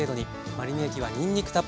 マリネ液はにんにくたっぷり。